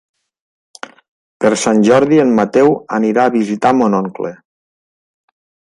Per Sant Jordi en Mateu anirà a visitar mon oncle.